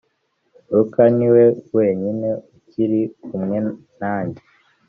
Luka ni we wenyine ukiri kumwe nanjye